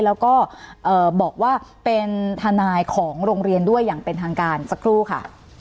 แล้วก็บอกว่าเป็นทนายของโรงเรียนด้วยอย่างเป็นทางการสักครู่ค่ะ